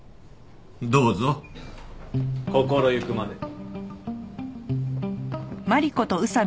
どうぞ心ゆくまで。